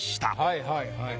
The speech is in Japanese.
はいはいはい。